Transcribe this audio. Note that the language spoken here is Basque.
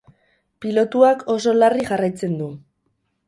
Pilotuak oso larri jarraitzen du.